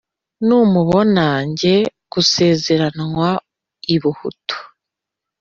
Numubona njye gusezeranywa ibuhutu*,